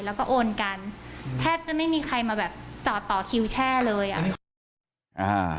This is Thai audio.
แล้วก็โอนกันแทบจะไม่มีใครมาแบบจอดต่อคิวแช่เลยอ่ะ